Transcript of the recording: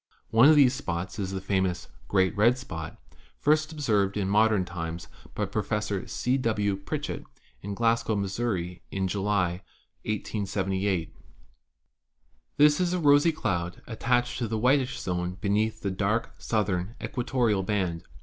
One of these spots is the famous "great red spot" first observed in modern times by Professor C. W. Pritchett in Glasgow, Missouri, in July, 1878. This is a rosy cloud attached to the whitish zone beneath the dark southern equatorial band.